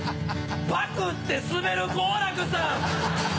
パクってスベる好楽さん